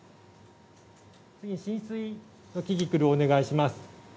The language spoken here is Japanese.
次に浸水のキキクルお願いします。